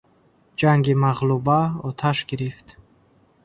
Ҷанги мағлуба оташ гирифт.